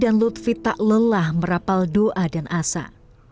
bisa makan setiap hari dan memberikan perawatan medis terbaik